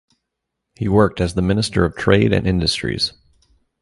He worked as the Minister of Trade and Industries.